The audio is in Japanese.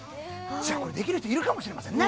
じゃあこれ、できる人いるかもしれませんね。